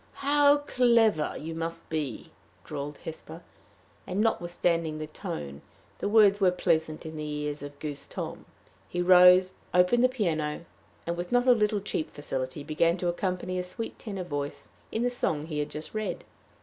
"How clever you must be!" drawled Hesper; and, notwithstanding the tone, the words were pleasant in the ears of goose Tom. He rose, opened the piano, and, with not a little cheap facility, began to accompany a sweet tenor voice in the song he had just read.